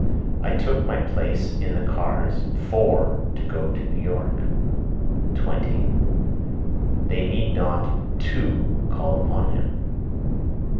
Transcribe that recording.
I took my place in the cars (for) to go to New York. 20. They need not (to) call upon him.